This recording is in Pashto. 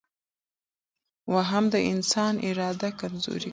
وهم د انسان اراده کمزورې کوي.